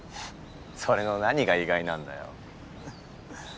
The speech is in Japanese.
それの何が意外なんだよ。